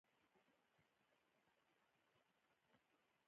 د ازبکستان پلازمېنه د تاشکند ښار دی او مرکز یې دی.